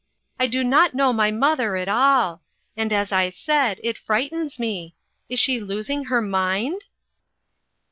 I do not know my mother at all ; and as I said, it frightens me. Is she los ing her mind?"